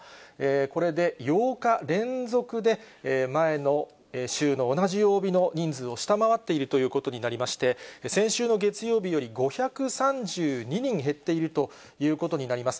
これで８日連続で、前の週の同じ曜日の人数を下回っているということになりまして、先週の月曜日より５３２人減っているということになります。